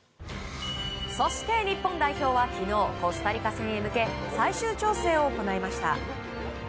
そして日本代表は昨日コスタリカ戦へ向け最終調整を行いました。